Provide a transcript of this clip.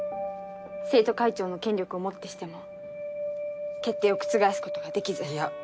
生徒会長の権力をもってしても決定を覆すことができずいや